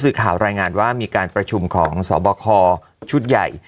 ข่าวรายงานว่ามีการประชุมของสบคชุดใหญ่